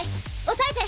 抑えて！